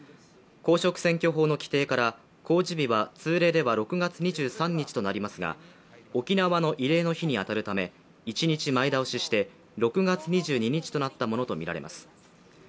公職選挙法の規定から、公示日は通例では６月２３日となりますが、沖縄の慰霊の日に当たるため、１日前倒しして６月２２日となったものとみられます。